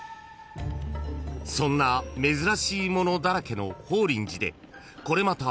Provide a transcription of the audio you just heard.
［そんな珍しいものだらけの法輪寺でこれまた］